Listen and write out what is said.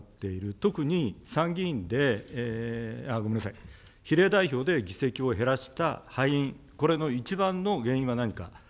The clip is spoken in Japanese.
特に参議院で、ごめんなさい、比例代表で議席を減らした敗因、これの一番の原因は何か。